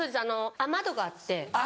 雨戸があって。